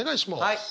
はい！